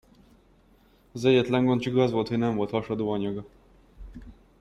Az egyetlen gond csak az volt, hogy nem volt hasadó anyaga.